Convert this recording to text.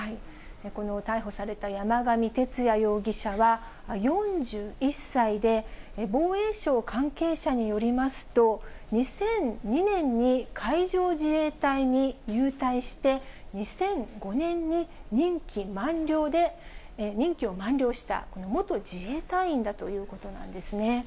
この逮捕された山上徹也容疑者は、４１歳で、防衛省関係者によりますと、２００２年に海上自衛隊に入隊して、２００５年に任期を満了した、元自衛隊員だということなんですね。